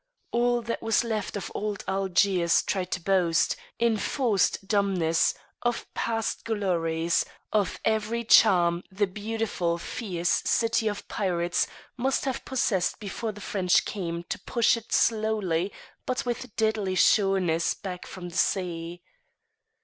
All that was left of old Algiers tried to boast, in forced dumbness, of past glories, of every charm the beautiful, fierce city of pirates must have possessed before the French came to push it slowly but with deadly sureness back from the sea.